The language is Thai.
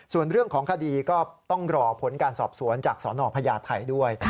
ส่วนเรื่องของคดีก็ต้องรอผลการสอบสวนจากสนพญาไทยด้วย